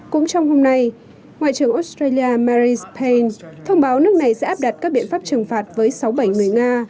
cũng trong hôm nay ngoại trưởng australia mary spain thông báo nước này sẽ áp đặt các biện pháp trừng phạt với sáu bảy người nga